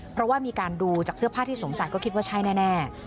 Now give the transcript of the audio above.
เพราะว่ามีการดูจากเสื้อผ้าที่สงสัยก็คิดว่าใช่แน่